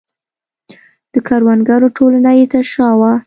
د کروندګرو ټولنه یې تر شا وه.